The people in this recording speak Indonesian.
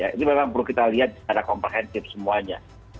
itu memang perlu kita lihat secara komprehensif semuanya